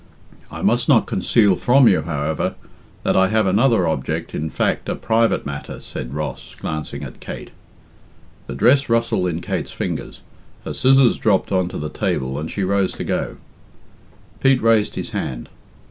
"I must not conceal from you, however, that I have another object in fact, a private matter," said Ross, glancing at Kate. The dress rustled in Kate's fingers, her scissors dropped on to the table, and she rose to go. Pete raised his hand.